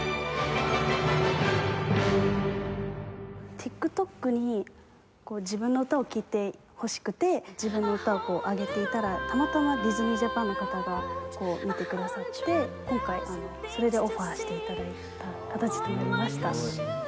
ＴｉｋＴｏｋに自分の歌を聴いてほしくて自分の歌を上げていたらたまたまディズニー・ジャパンの方が見てくださって今回それでオファーして頂いた形となりました。